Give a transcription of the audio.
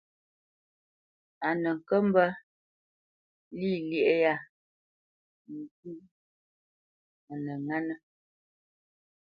A nə kə́ mbə́ lí yâ a nə ŋánə́.